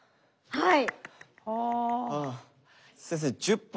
はい。